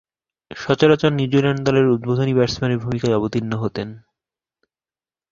সচরাচর নিউজিল্যান্ড দলের উদ্বোধনী ব্যাটসম্যানের ভূমিকায় অবতীর্ণ হতেন।